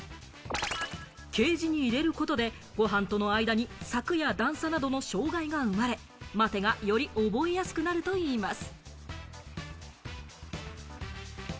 ケージに入れることで、ご飯との間に柵や段差などの障害が生まれ、待てがより、覚えやすくなるといいます。